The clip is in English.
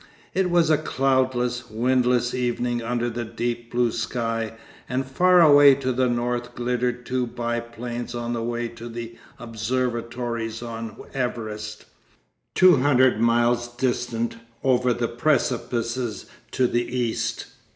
It was a cloudless, windless evening under the deep blue sky, and far away to the north glittered two biplanes on the way to the observatories on Everest, two hundred miles distant over the precipices to the east.